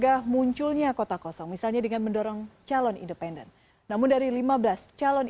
arpandi kota tanjung pinang kepulauan riau